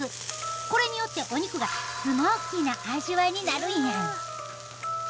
これによってお肉がスモーキーな味わいになるんや。